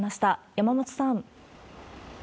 山本さん。